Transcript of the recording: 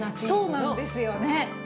そうなんですよね。